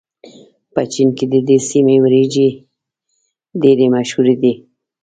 په چين کې د دې سيمې وريجې ډېرې مشهورې دي.